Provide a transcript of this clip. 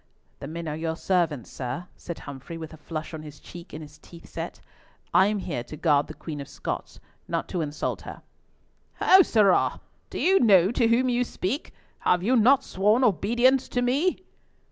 "The men are your servants, sir," said Humfrey, with a flush on his cheek and his teeth set; "I am here to guard the Queen of Scots, not to insult her." "How, sirrah? Do you know to whom you speak? Have you not sworn obedience to me?"